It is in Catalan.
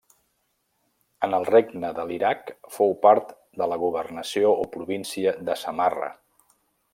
En el regne de l'Iraq fou part de la governació o província de Samarra.